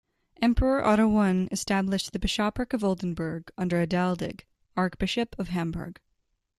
Emperor Otto I established the bishopric of Oldenburg under Adaldag, archbishop of Hamburg.